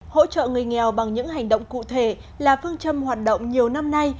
hỗ trợ người nghèo bằng những hành động cụ thể là phương châm hoạt động nhiều năm nay